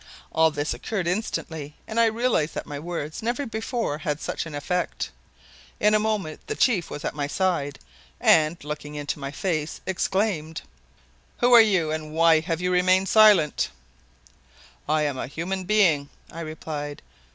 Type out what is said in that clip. All this occurred instantly, and I realized that my words never before had such an effect. In a moment the chief was at my side and, looking into my face, exclaimed: "Who are you and why have you remained silent?" "I am a human being," I replied.